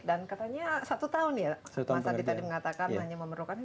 dan katanya satu tahun ya masa adit tadi mengatakan hanya memerlukan